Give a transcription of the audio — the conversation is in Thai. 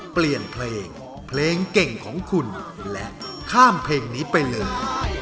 เปลี่ยนเพลงเพลงเก่งของคุณและข้ามเพลงนี้ไปเลย